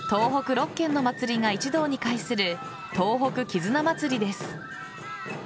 ６県の祭りが一堂に会する東北絆まつりです。